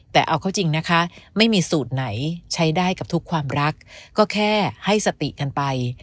แต่เอาเข้าจริงนะคะไม่มีสูตรไหนใช้ได้กับทุกความรักก็แค่ให้สติกันไป